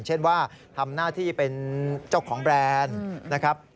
เช่นว่าทำหน้าที่เป็นเจ้าของแบรนด์นะครับ